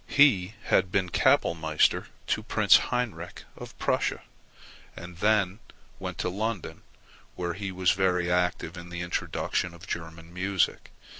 He had been Kapellmeister to Prince Heinrich of Prussia, and then went to London, where he was very active in the introduction of German music.